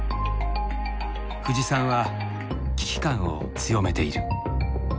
冨士さんは危機感を強めている。